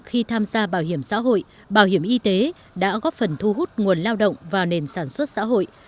khi tham gia bảo hiểm xã hội bảo hiểm y tế đã góp phần thu hút nguồn lao động vào nền sản xuất xã hội